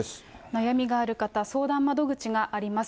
悩みがある方、相談窓口があります。